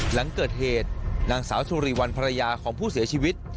หลังเกิดเหตุนางสาวสุริวัลภรรยาของผู้เสียชีวิต